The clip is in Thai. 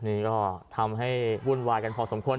นี่ก็ทำให้วุ่นวายกันพอสมควร